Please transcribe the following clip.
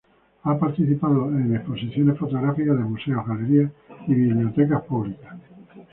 Ha participado de exposiciones fotográficas en Museos, Galerías y Bibliotecas Públicas.